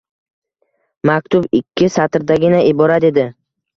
Maktub ikki satrdangina iborat edi.